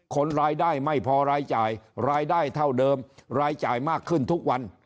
คนรายได้ไม่พอรายจ่ายรายได้เท่าเดิมรายจ่ายมากขึ้นทุกวัน